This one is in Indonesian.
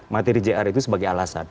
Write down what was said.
materi jr itu sebagai alasan